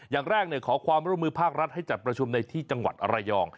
อย่างแรกขอความร่วมมือภาครัฐให้จัดประชุมในที่จังหวัดระยอง